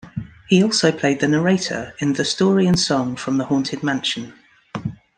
He also played the Narrator in "The Story and Song From the Haunted Mansion".